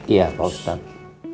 iya pak ustadz